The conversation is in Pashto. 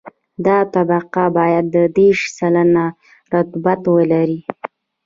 دا طبقه باید دېرش سلنه رطوبت ولري